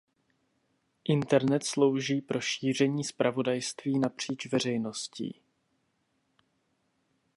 Internet slouží pro šíření zpravodajství napříč veřejností.